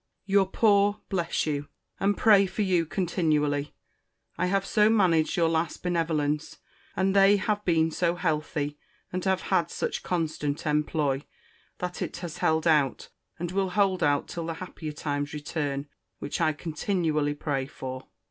Your Poor bless you, and pray for you continually. I have so managed your last benevolence, and they have been so healthy, and have had such constant employ, that it has held out; and will hold out till the happier times return, which I continually pray for.